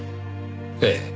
ええ。